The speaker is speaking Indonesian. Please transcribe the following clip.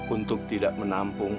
untuk tidak menampung